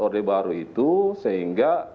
orde baru itu sehingga